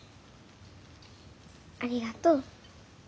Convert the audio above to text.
ありがとう。